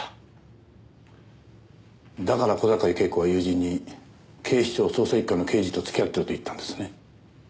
だから小坂井恵子は友人に警視庁捜査一課の刑事と付き合ってると言ったんですね。